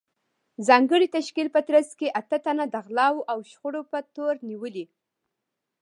ځانګړې تشکیل په ترڅ کې اته تنه د غلاوو او شخړو په تور نیولي